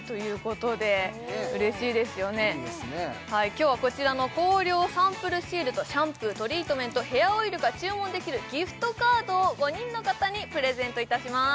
今日はこちらの香料サンプルシールとシャンプー・トリートメント・ヘアオイルが注文できるギフトカードを５人の方にプレゼントいたします